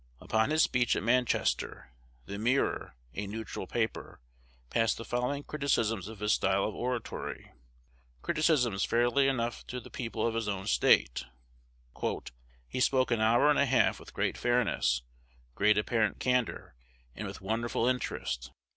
Upon his speech at Manchester, "The Mirror," a neutral paper, passed the following criticisms of his style of oratory, criticisms familiar enough to the people of his own State: "He spoke an hour and a half with great fairness, great apparent candor, and with wonderful interest.